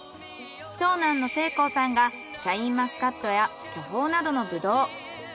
長男の誠光さんがシャインマスカットや巨峰などのブドウ。